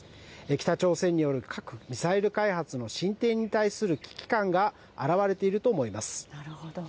北朝鮮による核・ミサイル開発の進展に対する危機感が表れているなるほど。